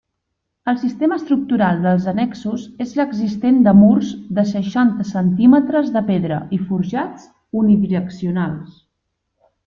El sistema estructural dels annexos és l'existent de murs de seixanta centímetres de pedra i forjats unidireccionals.